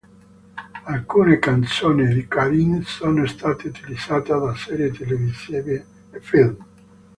Alcune canzoni di Karin sono state utilizzate da serie televisive e film.